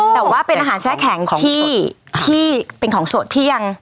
แต่ว่าเป็นอาหารแช่แข็งที่เป็นของสดที่ยัง